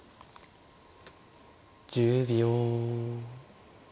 １０秒。